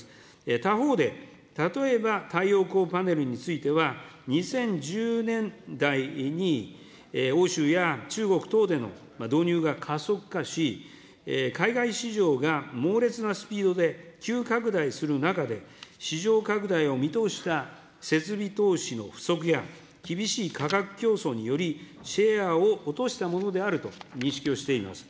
他方で例えば太陽光パネルについては、２０１０年代に、欧州や中国等での導入が加速化し、海外市場が猛烈なスピードで急拡大する中で、市場拡大を見通した設備投資の不足や厳しい価格競争により、シェアを落としたものであると認識をしています。